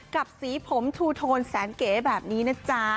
กับสีผมทูโทนแสนเก๋แบบนี้นะจ๊ะ